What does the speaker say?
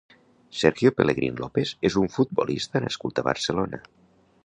Sergio Pelegrín López és un futbolista nascut a Barcelona.